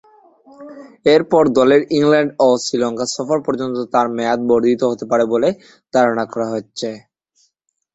এরপর দলের ইংল্যান্ড ও শ্রীলঙ্কা সফর পর্যন্ত তার মেয়াদ বর্ধিত হতে পারে বলে ধারণা করা হচ্ছে।